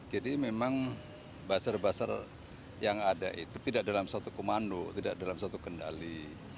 jadi memang buzzer buzzer yang ada itu tidak dalam suatu komando tidak dalam suatu kendali